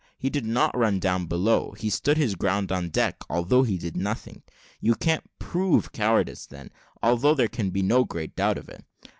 He did not run down below; he stood his ground on deck, although he did nothing. You can't prove cowardice then, although there can be no great doubt of it.